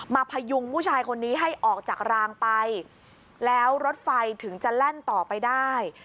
พยุงผู้ชายคนนี้ให้ออกจากรางไปแล้วรถไฟถึงจะแล่นต่อไปได้